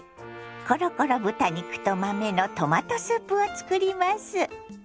コロコロ豚肉と豆のトマトスープを作ります。